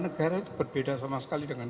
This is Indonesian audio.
negara itu berbeda sama sekali dengan